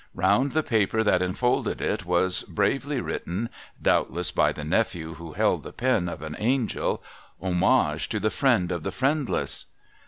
Round the paper that enfolded it was bravely written (doubtless by the nephew who held the pen of an Angel), ' Homage to the friend of the friendless.'